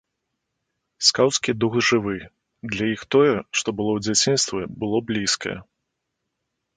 Скаўцкі дух жывы, для іх тое, што было ў дзяцінстве, было блізкае.